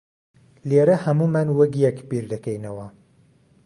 لێرە ھەموومان وەک یەک بیردەکەینەوە.